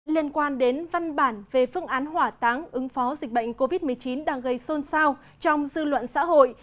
liên quan đến văn bản về phương án hỏa táng ứng phó dịch bệnh covid một mươi chín đang gây xôn xao trong dư luận xã hội